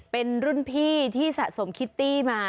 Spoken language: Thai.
เป็นรุ่นพี่ที่สะสมคิตตี้มา